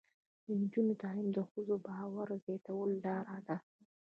د نجونو تعلیم د ښځو باور زیاتولو لاره ده.